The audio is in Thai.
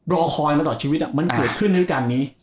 รอคอยมาต่อชีวิตมันเกิดขึ้นฤดูการนี้